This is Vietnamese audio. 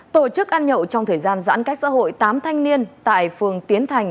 tổ chức ăn nhậu trong thời gian giãn cách xã hội tám thanh niên tại phường tiến thành